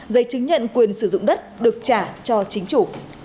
giấy chứng nhận quyền sử dụng đất được trả cho chính chủ